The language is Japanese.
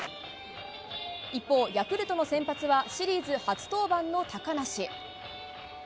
一方、ヤクルトの先発はシリーズ初登板の高梨。